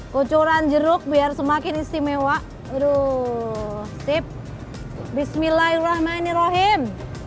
kucuran jeruk biar semakin istimewa aduh sip bismillahirrahmanirrahim